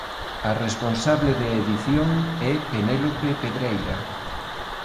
A responsable de edición é Penélope Pedreira.